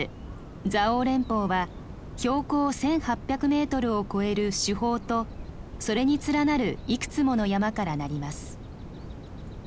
蔵王連峰は標高１，８００メートルを超える主峰とそれに連なるいくつもの山からなります。